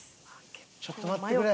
ちょっと待ってくれ。